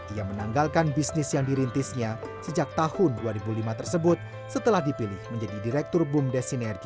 ia menanggalkan bisnis yang dirintisnya sejak tahun dua ribu lima tersebut setelah dipilih menjadi direktur bumdes sinergi